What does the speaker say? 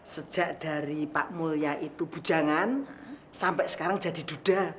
sejak dari pak mulya itu bujangan sampai sekarang jadi duda